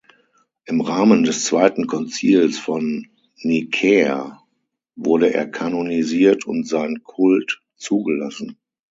Im Rahmen des Zweiten Konzils von Nicäa wurde er kanonisiert und sein Kult zugelassen.